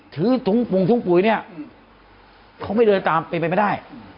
ถือถุงปุ่งถุงปุ๋ยเนี่ยเขาไม่เดินตามไปมาได้